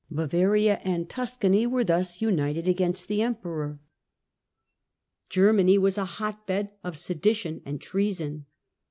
Bavaria and Tuscany were thus united against the Emperor. Germany was a hotbed of sedition and treason.